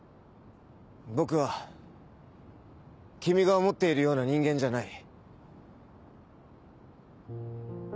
僕は君が思っているような人間じゃない。